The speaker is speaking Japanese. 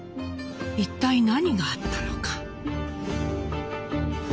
一体何があったのか。